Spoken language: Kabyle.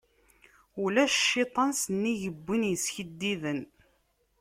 Ulac cciṭan, sennig win iskiddiben.